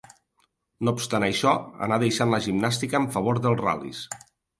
No obstant això, anà deixant la gimnàstica en favor dels ral·lis.